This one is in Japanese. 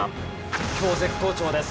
今日絶好調です。